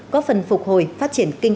có phần phục hồi phát triển kinh tế